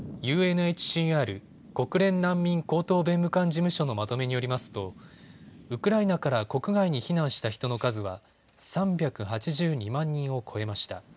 ＵＮＨＣＲ・国連難民高等弁務官事務所のまとめによりますとウクライナから国外に避難した人の数は３８２万人を超えました。